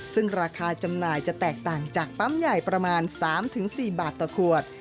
ซึ่งราคาจำหน่ายจะแตกต่างจากปั๊มใหญ่ประมาณ๓๔บาทต่อขวด